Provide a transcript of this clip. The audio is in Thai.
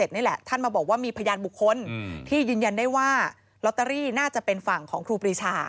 นี่แหละท่านมาบอกว่ามีพยานบุคคลที่ยืนยันได้ว่าลอตเตอรี่น่าจะเป็นฝั่งของครูปรีชา